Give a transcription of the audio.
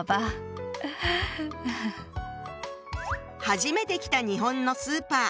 初めて来た日本のスーパー。